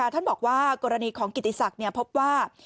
ท่านบอกว่ากรณีของกิติศักดิ์พบว่า